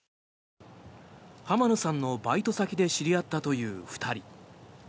浜野さんのバイト先で知り合ったという２人。